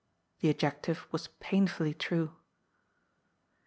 The adjective was painfully true.